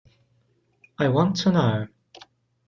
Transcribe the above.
I want to know.